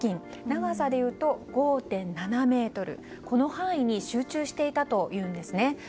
長さで言うと５．７ｍこの範囲に集中していたというんですね。